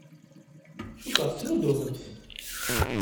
Cukkeɣ tettnuddumemt.